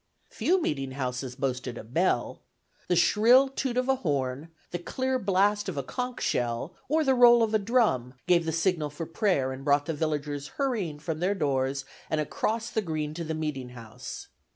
Few meeting houses boasted a bell. The shrill toot of a horn, the clear blast of a conch shell, or the roll of a drum, gave the signal for prayer, and brought the villagers hurrying from their doors and across the green to the meeting house.